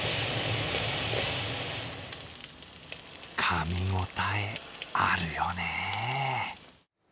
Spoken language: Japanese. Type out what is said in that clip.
かみごたえ、あるよね。